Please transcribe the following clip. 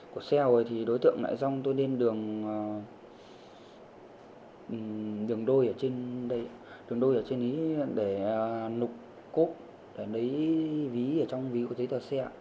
của xe rồi thì đối tượng lại dòng tôi lên đường đôi ở trên để nục cốt để lấy ví ở trong ví của giấy tờ xe